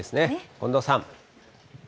近藤さん。